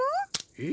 え？